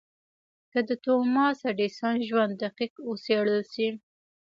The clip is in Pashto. که د توماس ايډېسن ژوند دقيق وڅېړل شي.